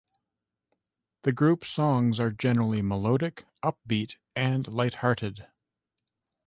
The group's songs are generally melodic, upbeat, and lighthearted.